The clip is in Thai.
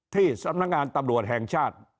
ที่สำนักงานตำรวจแห่งชาติ